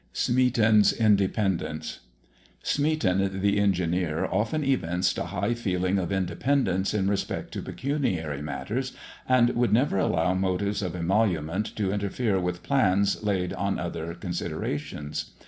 SMEATON'S INDEPENDENCE. Smeaton, the engineer, often evinced a high feeling of independence in respect to pecuniary matters, and would never allow motives of emolument to interfere with plans laid on other considerations.